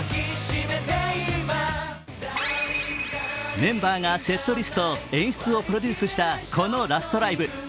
メンバーがセットリスト、演出をプロデュースしたこのラストライブ。